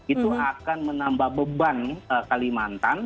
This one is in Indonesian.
itu akan menambah beban kalimantan